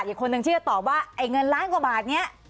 อีกคนนึงที่จะตอบว่าไอ้เงินล้านกว่าบาทนี้